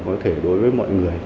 có thể đối với mọi người